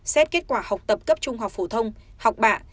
xét kết quả học tập cấp trung học phổ thông học bạ